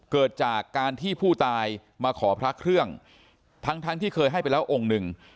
เกิดจากการที่ผู้ตายมาขอพระเครื่องทั้งที่เคยให้ไปแล้วองค์หนึ่ง